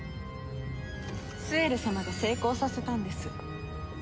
スエル様が成功させたんです。